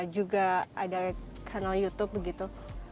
juga ada kanal youtube begitu